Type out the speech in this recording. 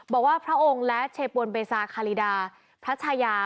พระองค์และเชปวนเบซาคารีดาพระชายา